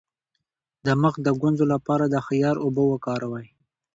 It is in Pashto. د مخ د ګونځو لپاره د خیار اوبه وکاروئ